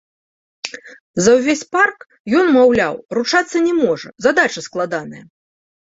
За ўвесь парк ён, маўляў, ручацца не можа, задача складаная.